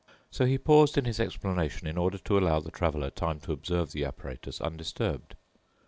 So he paused in his explanation in order to allow the Traveler time to observe the apparatus undisturbed.